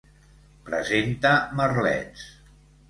Presenta merlets.